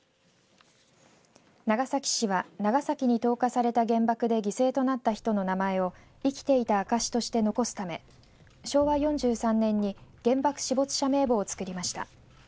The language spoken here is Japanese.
長崎市は長崎に投下された原爆で犠牲となった人の名前を生きていた証しとして残すため昭和４３年に原爆死没者名簿を作りました。